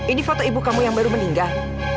ini foto ibu kamu yang baru meninggal